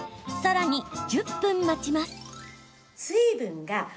さらに１０分待ちます。